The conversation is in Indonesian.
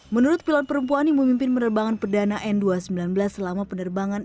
menurut pilot perempuan yang memimpin penerbangan perdana n dua ratus sembilan belas selama penerbangan